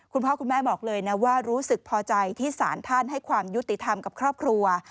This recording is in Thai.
คุณพ่อคุณแม่บอกเลยนะว่ารู้สึกพอใจที่สารท่านให้ความยุติธรรมกับครอบครัว